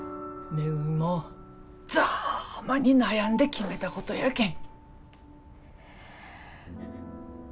みもざぁまに悩んで決めたことやけん。